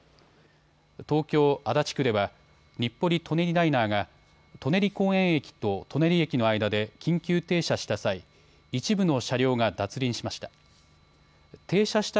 東京足立区では日暮里・舎人ライナーが舎人公園駅と舎人駅の間で緊急停車した際、一部の車両が脱輪しました。